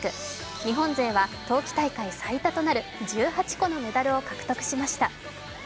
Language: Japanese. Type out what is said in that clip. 日本勢は冬季大会最多となる１８個のメダルを獲得しました。